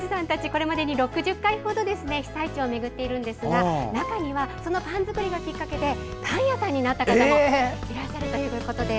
これまでに６０回ほど被災地を巡っているんですが中にはそのパン作りがきっかけでパン屋さんになった方もいらっしゃるということで